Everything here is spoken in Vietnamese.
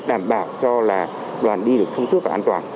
đảm bảo cho là đoàn đi được thông suốt và an toàn